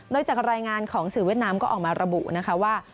โดยจากรายงานของสื่อเวียดนามก็ออกมาระบุนะคะว่า